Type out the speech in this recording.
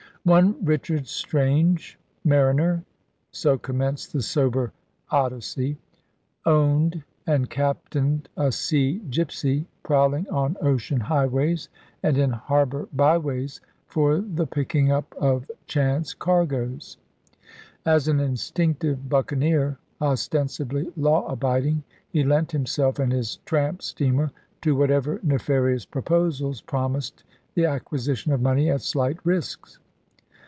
One Richard Strange, mariner so commenced the sober Odyssey owned and captained a sea gipsy, prowling on ocean highways and in harbour byways for the picking up of chance cargoes. As an instinctive buccaneer, ostensibly law abiding, he lent himself and his tramp steamer to whatever nefarious proposals promised the acquisition of money at slight risks.